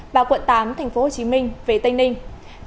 và quận tám tp hcm về tây ninh